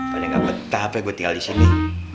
pokoknya gak ketapa gue tinggal disini